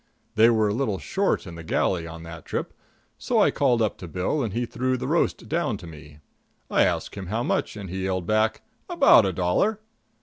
They were a little short in the galley on that trip, so I called up to Bill and he threw the roast down to me. I asked him how much, and he yelled back, "about a dollar."